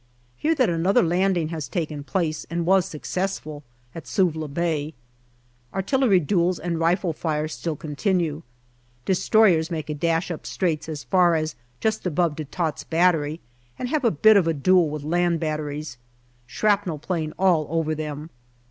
Hear that another landing has taken place, and was successful, at Suvla Bay. Artillery duels and rifle fire still continue. Destroyers make a dash up Straits as far as just above De Tott's Battery, and have a bit of a duel with land batteries. Shrapnel playing all over them.